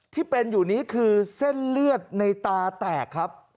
ที่เป็นอยู่นี้คือเส้นเลือดในตาแตกครับ